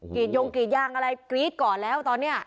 กรีดยงกรีดยางอะไรกรีดก่อนแล้วตอนเนี่ย